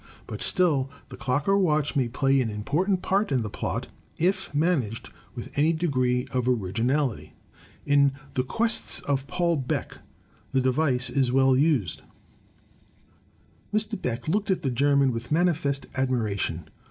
But still the clock or watch may play an important part in the plot, if managed with any degree of originality. In " The Quests of Paul Beck " the device is well used: Mr. Beck looked at the German with manifest admiration.